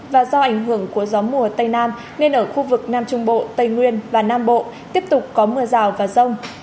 và do ảnh hưởng của gió mùa tây nam nên ở khu vực nam trung bộ tây nguyên và nam bộ tiếp tục có mưa rào và rông